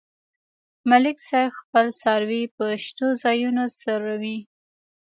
ملک صاحب خپل څاروي په شنو ځایونو څرومي.